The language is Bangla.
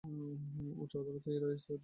উচ্চ আদালত এই রায় স্থগিত রাখেন।